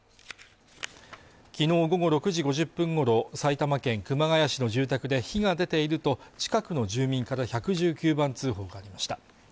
昨日午後６時５０分ごろ埼玉県熊谷市の住宅で火が出ていると近くの住民から１１９番通報がありました